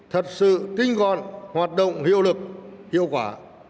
thật sự tinh gọn hoạt động hiệu lực hiệu quả